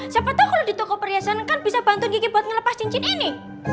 siapa tahu kalau di toko perhiasan kan bisa bantu gigi buat ngelepas cincin ini